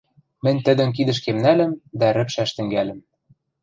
Мӹнь тӹдӹм кидӹшкем нӓльӹм дӓ рӹпшӓш тӹнгӓльӹм.